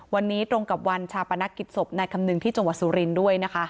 วันนี้ตรงกับวันชาปนกิจศพนายคำนึงที่จังหวัดสุรินทร์ด้วยนะคะ